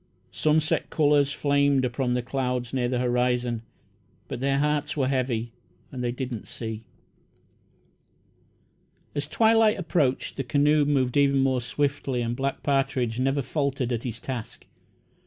Sunset colours flamed upon the clouds near the horizon, but their hearts were heavy, and they did not see. As twilight approached, the canoe moved even more swiftly and Black Partridge never faltered at his task.